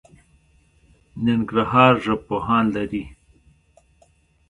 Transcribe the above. ننګرهار ژبپوهان لري